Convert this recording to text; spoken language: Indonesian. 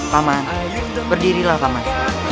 paman berdirilah paman